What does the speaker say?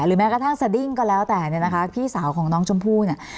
แม้กระทั่งสดิ้งก็แล้วแต่เนี่ยนะคะพี่สาวของน้องชมพู่เนี่ย